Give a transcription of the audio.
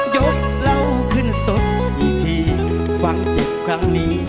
ยกเราขึ้นสดที่ฟังเจ็บครั้งนี้